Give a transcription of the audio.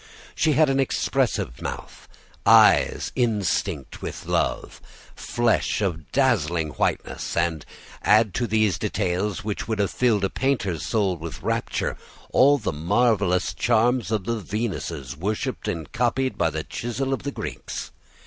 She had an expressive mouth, eyes instinct with love, flesh of dazzling whiteness. And add to these details, which would have filled a painter's soul with rapture, all the marvelous charms of the Venuses worshiped and copied by the chisel of the Greeks.